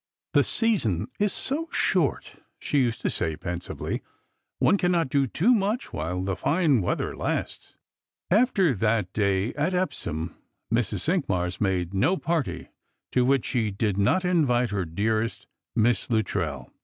" The season is so short," she used to say pensively, " one cannot do too much while the fine weather lasts." After that day at Epsom Mrs. Cinqmars made no party to which she did not invite her dearest Miss Luttrell.